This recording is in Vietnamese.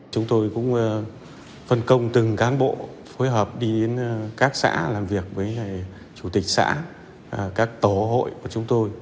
chúng tôi cũng phân công từng cán bộ phối hợp đi đến các xã làm việc với chủ tịch xã các tổ hội của chúng tôi